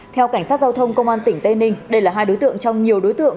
theo cảnh sát giao thông công an tỉnh tây ninh đây là hai đối tượng trong nhiều đối tượng